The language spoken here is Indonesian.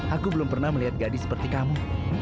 aku belum pernah melihat gadis seperti kamu